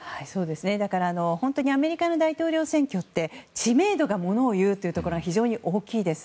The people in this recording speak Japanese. だから、本当にアメリカの大統領選挙って知名度がものを言うというところ非常に大きいです。